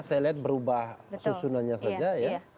saya lihat berubah susunannya saja ya